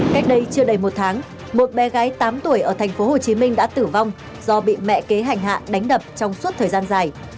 cách đây chưa đầy một tháng một bé gái tám tuổi ở tp hcm đã tử vong do bị mẹ kế hành hạ đánh đập trong suốt thời gian dài